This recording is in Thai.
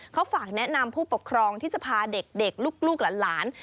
เขาฝากแนะนำผู้ปกครองที่จะพาเด็กลูกหลาน